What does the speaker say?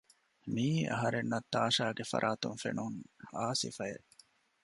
މިއީ އަހަރެންނަށް ތާޝާގެ ފަރާތުން ފެނުން އާ ސިފައެއް